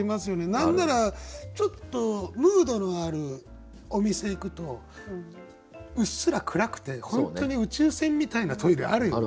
何ならちょっとムードのあるお店行くとうっすら暗くて本当に宇宙船みたいなトイレあるよね。